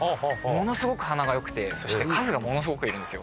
ものすごく鼻がよくてそして数がものすごくいるんですよ。